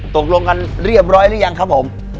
ตกลงกันเรียบร้อยหรือยังครับผม